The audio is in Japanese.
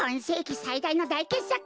さいだいのだいけっさく！